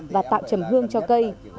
và tạo trầm hương cho cây